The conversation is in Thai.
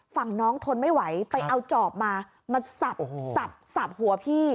ฝั่งน้องทนไม่ไหวไปเอาจอบมามาสับหัวพี่